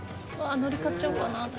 のり買っちゃおうかな私も。